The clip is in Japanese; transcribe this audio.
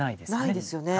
ないですよね。